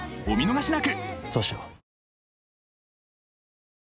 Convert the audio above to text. お見逃しなくそうしよう。